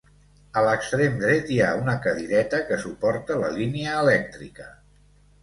A l'extrem dret hi ha una cadireta que suporta la línia elèctrica.